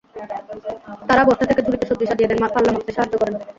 তাঁরা বস্তা থেকে ঝুড়িতে সবজি সাজিয়ে দেন, পাল্লা মাপতে সাহায্য করেন।